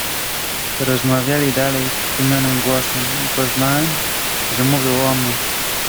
"Rozmawiali dalej przytłumionym głosem i poznałem, że mówią o mnie."